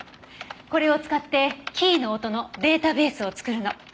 これを使ってキーの音のデータベースを作るの。